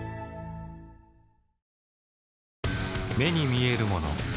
目に見えるもの